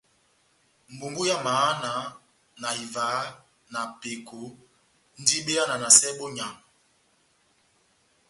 Mbumbu ya mahana na ivaha na peko ndi be yananasɛ bonyamu.